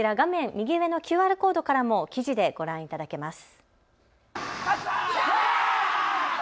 右上のＱＲコードからも記事でご覧いただけます。